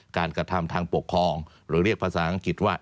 กระทำทางปกครองหรือเรียกภาษาอังกฤษว่า